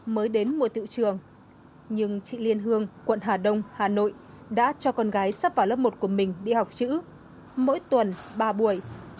mới đến mùa tiệu trường nhưng chị liên hương quận hà đông hà nội đã cho con gái sắp vào lớp một của mình đi học chữ mỗi tuần ba buổi